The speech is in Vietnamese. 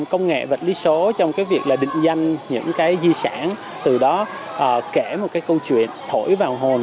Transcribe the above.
công nghệ vật lý số trong việc định danh những di sản từ đó kể một câu chuyện thổi vào hồn